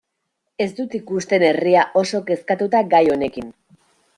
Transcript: Ez dut ikusten herria oso kezkatuta gai honekin.